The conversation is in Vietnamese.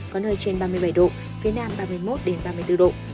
có nơi trên ba mươi bảy độ phía nam ba mươi một ba mươi bốn độ